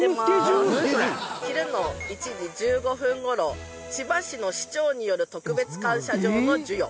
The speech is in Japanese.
昼の１時１５分頃千葉市の市長による特別感謝状の授与